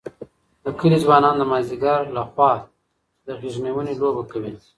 د کلي ځوانان د مازدیګر لخوا د غېږ نیونې لوبه کوي.